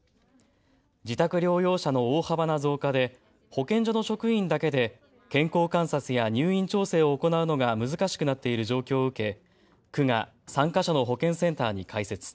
自宅療養者の大幅な増加で保健所の職員だけで健康観察や入院調整を行うのが難しくなっている状況を受け区が３か所の保健センターに開設。